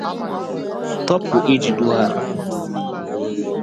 tupu e jido ha.